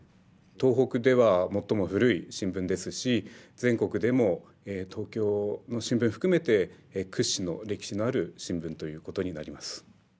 東北では最も古い新聞ですし全国でも東京の新聞含めて屈指の歴史のある新聞ということになります。